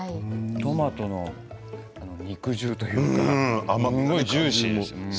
トマトの肉汁というか甘みがジューシー。